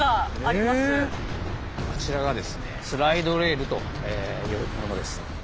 こちらがですねスライドレールというものです。